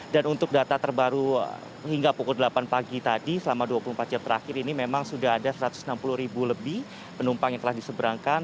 dan untuk data terbaru hingga pukul delapan pagi tadi selama dua puluh empat jam terakhir ini memang sudah ada satu ratus enam puluh ribu lebih penumpang yang telah diseberangkan